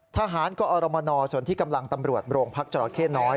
ทหารกอรมนส่วนที่กำลังตำรวจโรงพักจราเข้น้อย